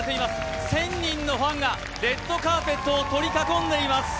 １０００人のファンがレッドカーペットを取り囲んでいます。